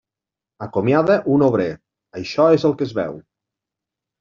Acomiada un obrer; això és el que es veu.